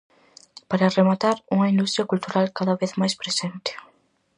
Para rematar, unha industria cultural cada vez máis presente.